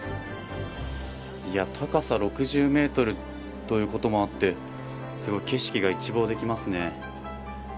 高さ６０メートルということもあってすごい、景色が一望できますね。